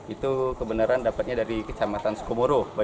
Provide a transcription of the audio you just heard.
itu kebenaran dapatnya dari kecamatan sukoboro